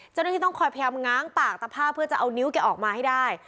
เจ้าหน้าที่ต้องคอยพยายามง้างปากตะผ้าเพื่อจะเอานิ้วแกออกมาให้ได้